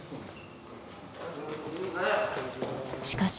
しかし。